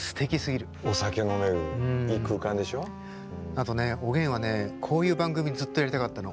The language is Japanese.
あとねおげんはねこういう番組ずっとやりたかったの。